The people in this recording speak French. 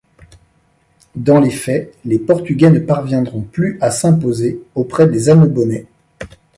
Dans les faits, les Portugais ne parviendront plus à s'imposer auprès des Annobonais.